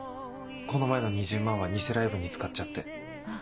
この前の２０万は偽ライブに使っちゃって。